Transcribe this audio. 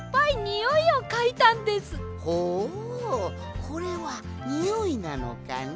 ほうこれはにおいなのかね。